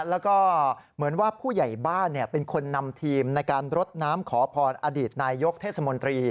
แล้วก็เหมือนว่าผู้ใหญ่บ้านเป็นคนนำทีมในการรดน้ำขอพรอดีตนายยกเทศมนตรี